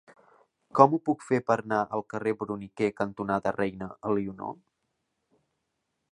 Com ho puc fer per anar al carrer Bruniquer cantonada Reina Elionor?